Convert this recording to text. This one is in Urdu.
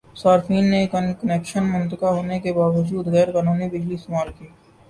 صارفین نے کنکشن منقطع ہونے کے باوجودغیرقانونی بجلی استعمال کی